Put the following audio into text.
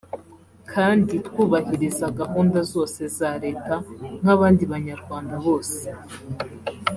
kandi twubahiriza gahunda zose za leta nka bandi Banyarwanda bose